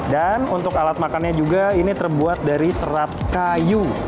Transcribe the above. dan untuk alat makannya juga ini terbuat dari serat kayu